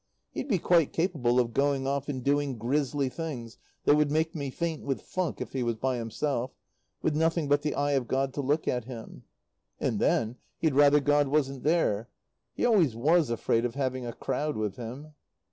He'd be quite capable of going off and doing grisly things that would make me faint with funk, if he was by himself, with nothing but the eye of God to look at him. And then he'd rather God wasn't there. He always was afraid of having a crowd with him.